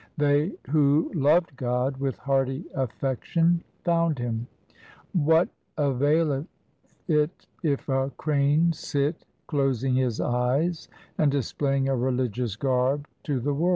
They who loved God with hearty affection found Him. What availeth it if a crane sit closing his eyes and dis playing a religious garb to the world